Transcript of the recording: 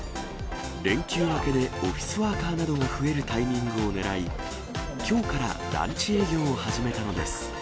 連休明けでオフィスワーカーなどが増えるタイミングをねらい、きょうからランチ営業を始めたのです。